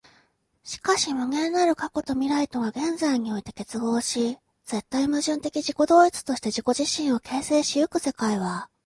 しかし無限なる過去と未来とが現在において結合し、絶対矛盾的自己同一として自己自身を形成し行く世界は、